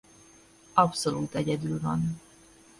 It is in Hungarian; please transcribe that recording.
Abszolút egyedül van.